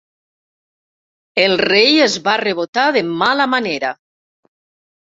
El Rei es va rebotar de mala manera.